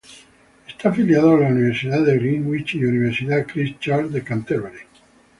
Está afiliado a la Universidad de Greenwich y Universidad Christ Church de Canterbury.